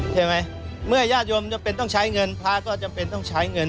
ใช่ไหมเมื่อญาติโยมจำเป็นต้องใช้เงินพระก็จำเป็นต้องใช้เงิน